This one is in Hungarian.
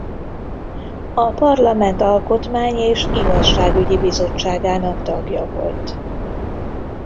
A parlament alkotmány- és igazságügyi bizottságának tagja volt.